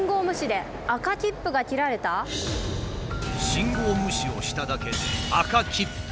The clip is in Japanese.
信号無視をしただけで「赤切符」！？